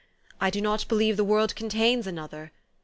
I do not believe the world contains another.